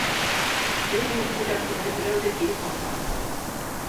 Был урынлы тәҡдимде берәү ҙә кире ҡаҡманы.